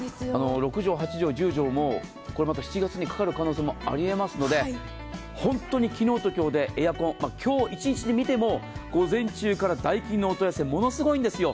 ６畳、８畳、１０畳も７月にかかる可能性もありえますので本当に昨日と今日でてエアコン、今日一日でみても、午前中からダイキンのお問い合わせがものすごいんですよ。